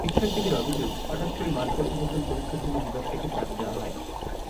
শিক্ষার্থীদের অভিযোগ, হঠাৎ করে মাঠ পর্যবেক্ষণ পরীক্ষার জন্য বিভাগ থেকে চাপ দেওয়া হয়।